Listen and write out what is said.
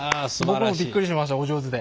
僕もびっくりしましたお上手で。